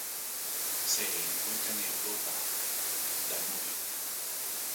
Se encuentra en Europa: Danubio.